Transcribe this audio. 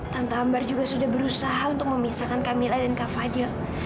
tante ambar juga sudah berusaha untuk memisahkan kak mila dan kak fadil